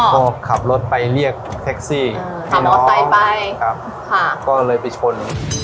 ก็ขับรถไปเรียกแท็กซี่ขับมอไซค์ไปครับค่ะก็เลยไปชน